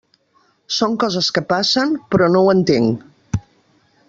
Són coses que passen, però no ho entenc.